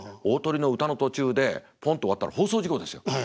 大トリの歌の途中でポンと終わったら放送事故ですよ。